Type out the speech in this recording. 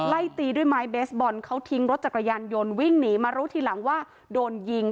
ไล่ตีด้วยไม้เบสบอลเขาทิ้งรถจักรยานยนต์วิ่งหนีมารู้ทีหลังว่าโดนยิง